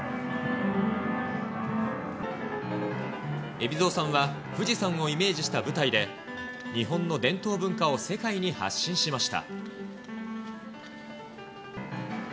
海老蔵さんは、富士山をイメージした舞台で、日本の伝統文化を世界に発信しました。